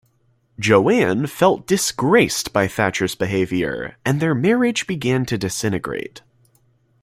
JoAnn felt disgraced by Thatcher's behaviour, and their marriage began to disintegrate.